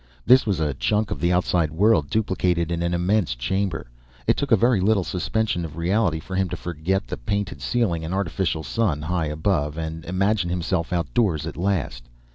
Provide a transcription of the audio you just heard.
This was a chunk of the outside world duplicated in an immense chamber. It took very little suspension of reality for him to forget the painted ceiling and artificial sun high above and imagine himself outdoors at last.